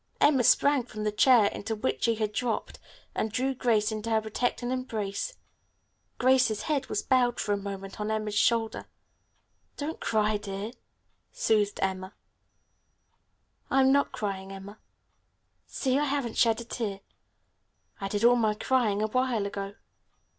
Emma sprang from the chair into which she had dropped and drew Grace into her protecting embrace. Grace's head was bowed for a moment on Emma's shoulder. "Don't cry, dear," soothed Emma. "I'm not crying, Emma. See, I haven't shed a tear. I did all my crying a while ago."